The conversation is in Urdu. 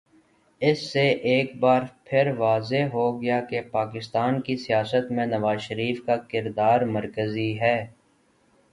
اس سے ایک بارپھر واضح ہو گیا کہ پاکستان کی سیاست میں نوازشریف کا کردار مرکزی ہے۔